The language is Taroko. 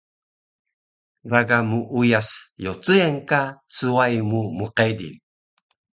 Gaga muuyas yocuyen ka swai mu mqedil